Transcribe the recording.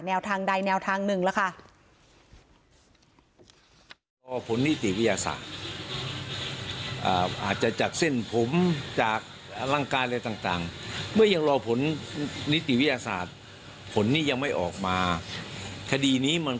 แนวทางใดแนวทางหนึ่งล่ะค่ะ